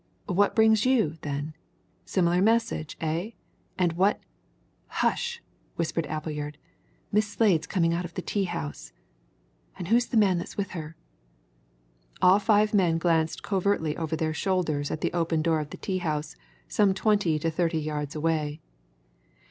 What brings you, then? Similar message, eh? And what " "Hush!" whispered Appleyard. "Miss Slade's coming out of the tea house! And who's the man that's with her?" All five men glanced covertly over their shoulders at the open door of the tea house, some twenty to thirty yards away.